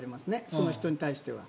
その人に対しては。